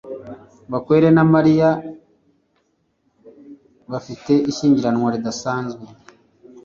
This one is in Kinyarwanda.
bakware na mariya bafite ishyingiranwa ridasanzwe